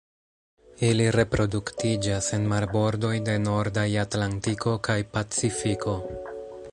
Ili reproduktiĝas en marbordoj de nordaj Atlantiko kaj Pacifiko.